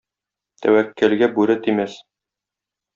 Тәвәккәлгә бүре тимәс.